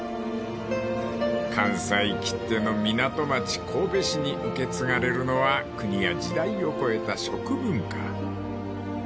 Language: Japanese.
［関西きっての港町神戸市に受け継がれるのは国や時代を超えた食文化］